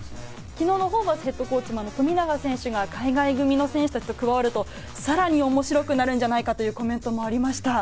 昨日のホーバスＨＣ、富永選手が海外組の選手と加わるとさらに面白くなるんじゃないかというコメントもありました。